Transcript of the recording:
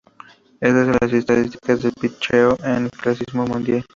Estas son las estadísticas de pitcheo en el Clásico Mundial.